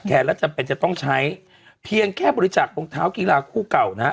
และจำเป็นจะต้องใช้เพียงแค่บริจาครองเท้ากีฬาคู่เก่านะฮะ